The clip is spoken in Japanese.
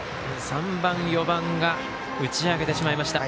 ３番、４番が打ち上げてしまいました。